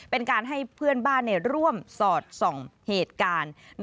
เป็นการให้เพื่อนบ้านร่วมสอดส่องเหตุการณ์